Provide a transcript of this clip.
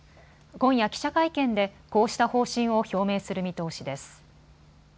今夜、記者会見でこうした方針を表明する見通しです。